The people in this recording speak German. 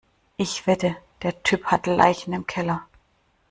Ich wette, der Typ hat Leichen im Keller.